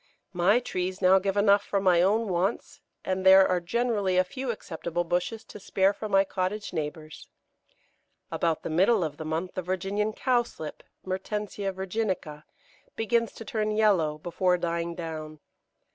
My trees now give enough for my own wants, and there are generally a few acceptable bushels to spare for my cottage neighbours. About the middle of the month the Virginian Cowslip (Mertensia virginica) begins to turn yellow before dying down.